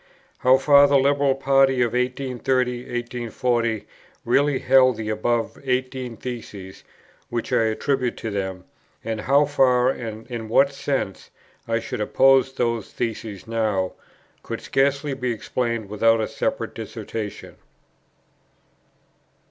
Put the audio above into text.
How far the Liberal party of 1830 40 really held the above eighteen Theses, which I attributed to them, and how far and in what sense I should oppose those Theses now, could scarcely be explained without a separate Dissertation.